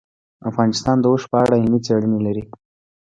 افغانستان د اوښ په اړه علمي څېړنې لري.